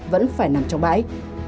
vẫn phải nằm trong bãi